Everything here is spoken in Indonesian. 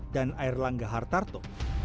dan airlangga hartarto